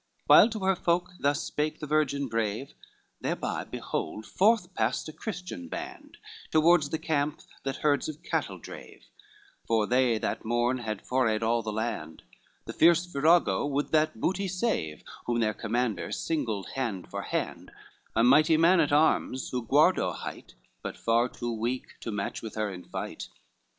XIV While to her folk thus spake the virgin brave, Thereby behold forth passed a Christian band Toward the camp, that herds of cattle drave, For they that morn had forayed all the land; The fierce virago would that booty save, Whom their commander singled hand for hand, A mighty man at arms, who Guardo hight, But far too weak to match with her in fight.